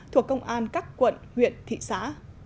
thuộc công an các quận huyện thị xã